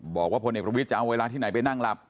บอกว่าพลเอกประวิทย์จะเอาเวลาที่ไหนไปนั่งหลับ